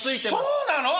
そうなの？